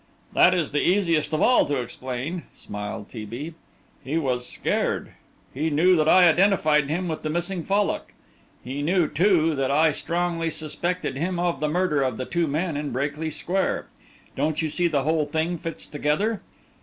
"That is the easiest of all to explain," smiled T. B. "He was scared; he knew that I identified him with the missing Fallock; he knew, too, that I strongly suspected him of the murder of the two men in Brakely Square. Don't you see the whole thing fits together?